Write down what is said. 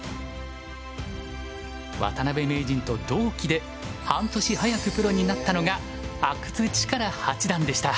渡辺名人と同期で半年早くプロになったのが阿久津主税八段でした。